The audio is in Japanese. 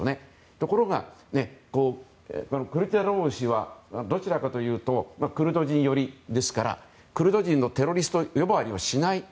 ところが、クルチダルオール氏はどちらかというとクルド人寄りですからクルド人をテロリスト呼ばわりはしない。